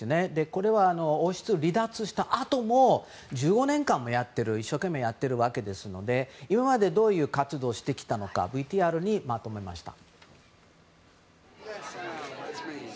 これは、王室を離脱したあとも１５年間も一生懸命やってるわけですので今までどういう活動をしてきたのかＶＴＲにまとめました。